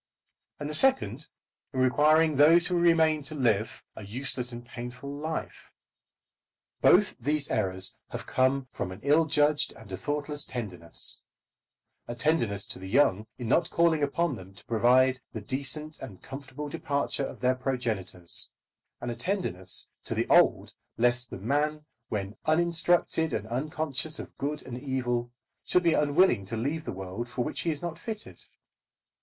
And the second, in requiring those who remain to live a useless and painful life. Both these errors have come from an ill judged and a thoughtless tenderness, a tenderness to the young in not calling upon them to provide for the decent and comfortable departure of their progenitors; and a tenderness to the old lest the man, when uninstructed and unconscious of good and evil, should be unwilling to leave the world for which he is not fitted.